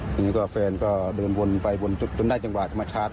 อันนี้ก็เฟรนก็เดินวนไปวนได้จังหว่าที่มาชาร์จ